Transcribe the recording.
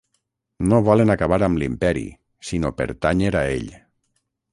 No volen acabar amb l'Imperi sinó pertànyer a ell.